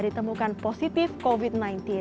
ditemukan positif covid sembilan belas